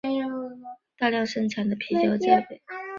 大量生产的啤酒在北韩很常见。